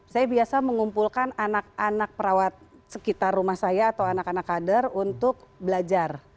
saya biasa mengumpulkan anak anak perawat sekitar rumah saya atau anak anak kader untuk belajar